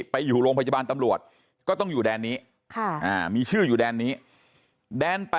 ไปอยู่โรงพยาบาลตำรวจก็ต้องอยู่แดนนี้มีชื่ออยู่แดนนี้แดน๘